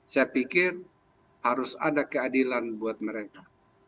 saya pikir harus ada keadilan buat mereka